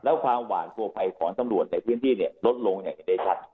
แล้วความหวานตัวไปของตำรวจในพื้นที่ลดลงได้ชัด